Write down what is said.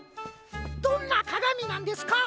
どんなかがみなんですか？